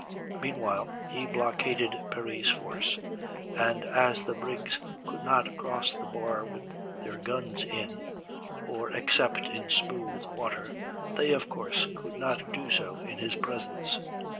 Meanwhile he blockaded Perry's force, and as the brigs could not cross the bar with their guns in, or except in smooth water, they of course could not do so in his presence.